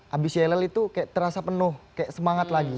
habis yeller itu kayak terasa penuh kayak semangat lagi